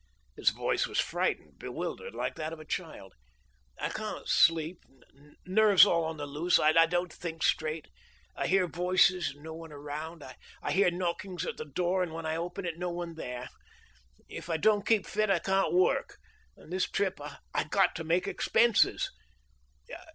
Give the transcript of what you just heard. His voice was frightened, bewildered, like that of a child. "I can't sleep; nerves all on the loose. I don't think straight. I hear voices, and no one around. I hear knockings at the door, and when I open it, no one there. If I don't keep fit I can't work, and this trip I got to make expenses.